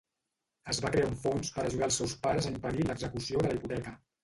Es va crear un fons per ajudar els seus pares a impedir l'execució de la hipoteca.